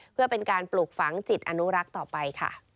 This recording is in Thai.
เพื่อเป็นการปลูกฝังจิตอนุรักษ์ต่อไปค่ะ